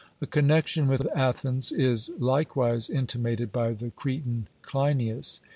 A connexion with Athens is likewise intimated by the Cretan Cleinias.